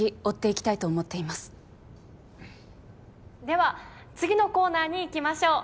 では次のコーナーにいきましょう。